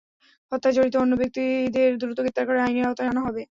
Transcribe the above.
হত্যায় জড়িত অন্য ব্যক্তিদের দ্রুত গ্রেপ্তার করে আইনের আওতায় আনা হবে।